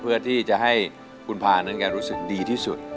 เพื่อที่จะให้คุณพานั้นแกรู้สึกดีที่สุด